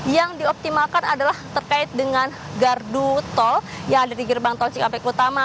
yang dioptimalkan adalah terkait dengan gardu tol yang ada di gerbang tol cikampek utama